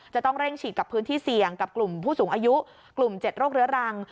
จะต้องเร่งฉีดกับพื้นที่เสี่ยงกับกลุ่มผู้สูงอายุกลุ่ม๗โรคเรื้อรัง